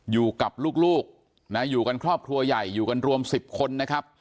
อยู่กับลูกนะอยู่กันครอบครัวใหญ่อยู่กันรวม๑๐คนนะครับ